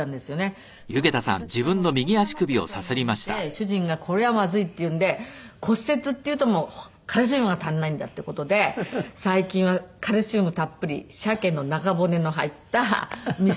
その時私がこんななっちゃったのを見て主人がこれはまずいっていうんで骨折っていうとカルシウムが足りないんだっていう事で最近はカルシウムたっぷりシャケの中骨の入ったみそ汁とかを。